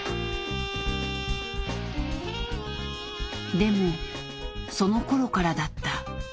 でもそのころからだった。